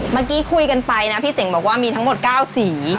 เมื่อกี้คุยกันไปนะพี่เจ๋งบอกว่ามีทั้งหมด๙สี